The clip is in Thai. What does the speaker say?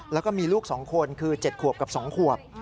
แล้วก็มีลูก๒คนคือ๗ขวบกับ๒ขวบ